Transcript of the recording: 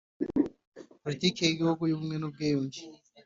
Politiki y igihugu y ubumwe n ubwiyunge